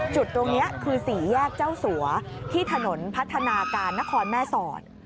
จุดตรงนี้คือสี่แยกเจ้าสัวที่ถนนพัฒนาการนครแม่สอด